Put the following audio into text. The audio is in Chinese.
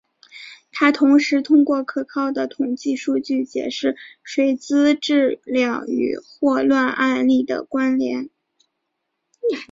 他同时通过可靠的统计数据解释水源质量与霍乱案例的关联。